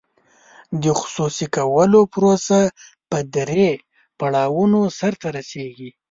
د خصوصي کولو پروسه په درې پړاوونو سر ته رسیږي.